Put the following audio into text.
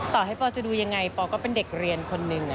ต่อให้ปอจะดูยังไงปอก็เป็นเด็กเรียนคนหนึ่ง